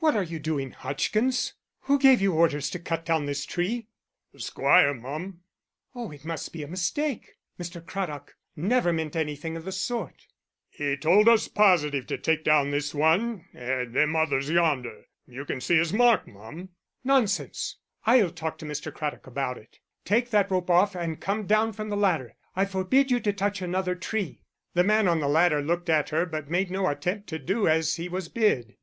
"What are you doing, Hodgkins? Who gave you orders to cut down this tree?" "The squire, mum." "Oh, it must be a mistake. Mr. Craddock never meant anything of the sort." "'E told us positive to take down this one and them others yonder. You can see his mark, mum." "Nonsense. I'll talk to Mr. Craddock about it. Take that rope off and come down from the ladder. I forbid you to touch another tree." The man on the ladder looked at her, but made no attempt to do as he was bid.